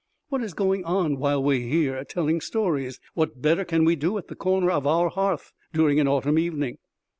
"What is going on while we are here telling stories? What better can we do at the corner of our hearth during an autumn evening?"